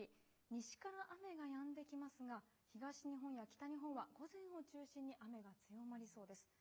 西から雨がやんできますが、東日本や北日本は、午前を中心に雨が強まりそうです。